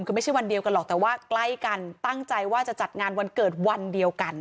คือไม่ใช่วันเดียวกันหรอกแต่ว่าใกล้กันตั้งใจว่าจะจัดงานวันเกิดวันเดียวกัน